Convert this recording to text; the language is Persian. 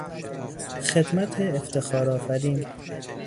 خدمت افتخار آفرین